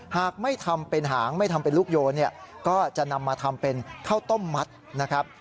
หากไม่ทำเป็นหางไม่ทำเป็นลูกโยนเนี่ยก็จะนำมาทำเป็นข้าวต้มมัดนะครับ